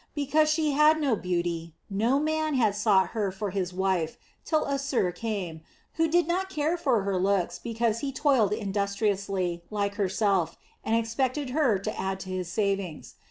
Because she had no beauty no man had sought her for his wife till Assir came, who did not care for her looks because he toiled industriously, like herself, and expected her to add to his savings.